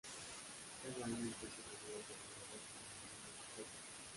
Cada año empieza una nueva temporada que se denomina "Open".